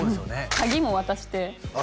鍵も渡してああ